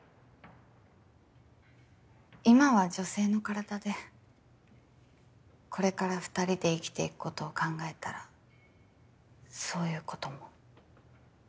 今は女性の体でこれから二人で生きていくことを考えたらそういうことも。